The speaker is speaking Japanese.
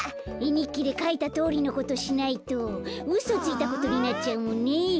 えにっきでかいたとおりのことしないとうそついたことになっちゃうもんね。